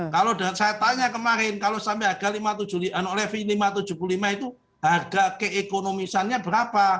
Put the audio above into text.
kalau saya tanya kemarin kalau sampai harga lima ratus tujuh puluh lima itu harga keekonomisannya berapa